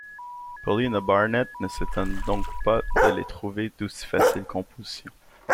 Paulina Barnett ne s’étonna donc pas de les trouver d’aussi facile composition.